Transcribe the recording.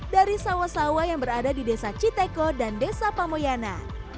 dari sawah sawah yang berada di desa citeko dan desa pamoyana